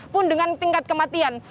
pun dengan tingkat kematian